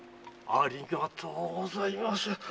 ありがとうございます。